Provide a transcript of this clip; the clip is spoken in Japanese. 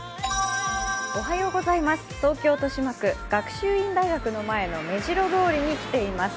東京・豊島区、学習院大学の前の目白通りに来ています。